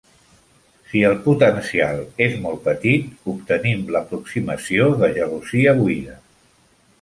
Si el potencial és molt petit, obtenim l'Aproximació de gelosia buida.